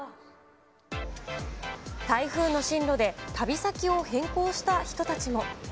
台風の進路で旅先を変更した人たちも。